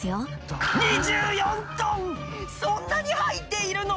そんなに入っているの？